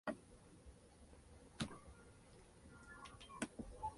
Es uno de los mayores teóricos del constitucionalismo en la República Italia.